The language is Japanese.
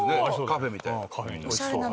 カフェみたいな。